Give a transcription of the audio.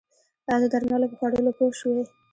ایا د درملو په خوړلو پوه شوئ؟